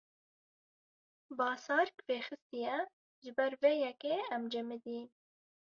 Basark vêxistiye, ji ber vê yekê em cemidîn.